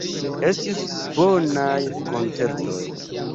Estis bonaj koncertoj.